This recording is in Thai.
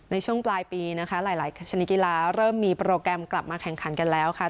ในช่วงปลายปีนะคะหลายชนิดกีฬาเริ่มมีโปรแกรมกลับมาแข่งขันกันแล้วค่ะ